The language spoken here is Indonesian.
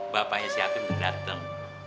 bapaknya siapin dateng